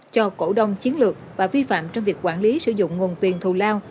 cho cổ đông chiến lược và vi phạm trong việc quản lý sử dụng nguồn tiền thù lao